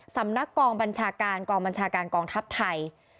สำนักกองบัญชาการกองบัญชาการกองทัพไทย